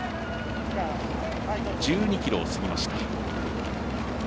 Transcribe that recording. １２ｋｍを過ぎました。